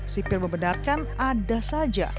sipir membenarkan ada saja